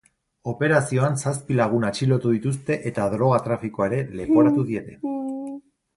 Operazioan zazpi lagun atxilotu dituzte eta droga-trafikoa ere leporatu diete.